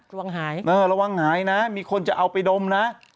ห่วงหายเออระวังหายนะมีคนจะเอาไปดมนะ